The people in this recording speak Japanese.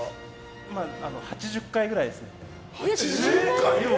８０回ぐらいですね。